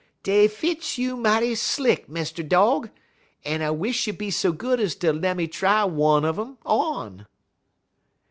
"'Dey fits you mighty slick, Mr. Dog, en I wish you be so good ez ter lemme try one un um on.'